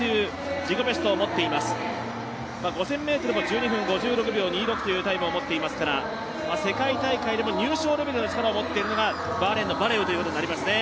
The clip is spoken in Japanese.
５０００ｍも１２分５６秒２６というタイムを持っていますから世界大会でも入賞レベルの力を持っているのが、バーレーンのバレウとなります。